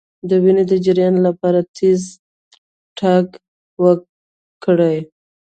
د وینې د جریان لپاره تېز تګ وکړئ